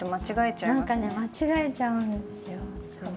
何かね間違えちゃうんですよ。